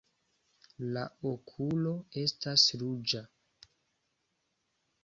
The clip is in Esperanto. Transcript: La okulo estas ruĝa.